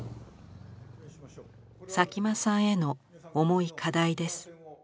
佐喜眞さんへの重い課題です。